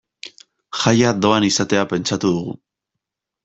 Jaia doan izatea pentsatu dugu.